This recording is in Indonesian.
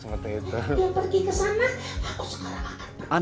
yang pergi ke sana aku sekarang akan datang